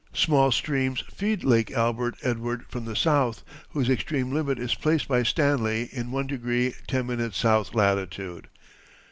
Small streams feed Lake Albert Edward from the south, whose extreme limit is placed by Stanley in 1° 10´ S. latitude.